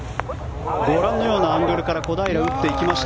ご覧のようなアングルから小平、打っていきました。